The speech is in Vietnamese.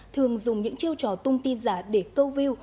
thường dùng những chiêu trò tung tin giả để câu view